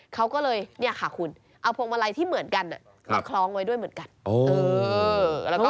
เขาก็เลยเนี่ยค่ะคุณเอาพวกเวลาที่เหมือนกันเนี่ยมาคล้องไว้ด้วยเหมือนกันเหมือนกัน